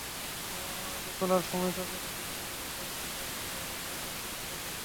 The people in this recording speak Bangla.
বাবা-মা আলু তোলার সময় তাঁদের অগোচরে হঠাৎ মেঘলা রেললাইনের ওপরে চলে যায়।